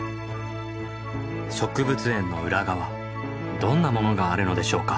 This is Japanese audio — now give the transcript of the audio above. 植物園の裏側どんなものがあるのでしょうか？